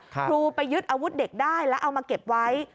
ครูไปยึดอาวุธเด็กได้แล้วเอามาเก็บไว้